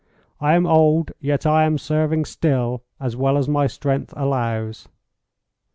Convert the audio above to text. "I am old, yet I am serving still, as well as my strength allows."